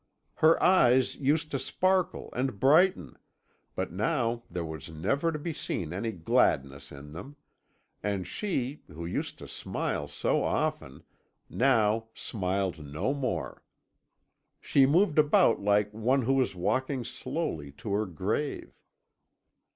Her eyes used to sparkle and brighten, but now there was never to be seen any gladness in them; and she, who used to smile so often, now smiled no more. She moved about like one who was walking slowly to her grave.